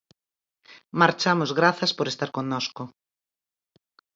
Marchamos grazas por estar connosco.